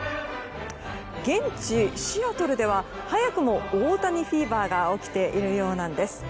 現地シアトルでは早くも大谷フィーバーが起きているようなんです。